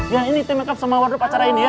yang ini tim make up sama waduk acara ini ya